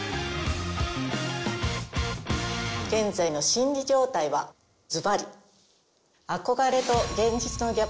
現在の心理状態はズバリ。